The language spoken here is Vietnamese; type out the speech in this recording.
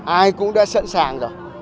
ai cũng đã sẵn sàng rồi